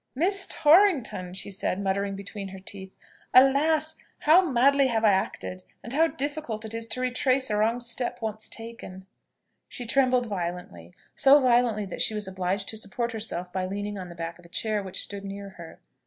"Miss Torrington!" said she, muttering between her teeth. "Alas! how madly have I acted! and how difficult is it to retrace a wrong step once taken!" She trembled violently; so violently, that she was obliged to support herself by leaning on the back of a chair which stood near her.